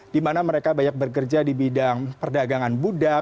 di mana mereka banyak bekerja di bidang perdagangan budak